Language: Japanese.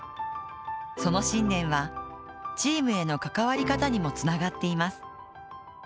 その信念はチームへの関わり方にもつながっています。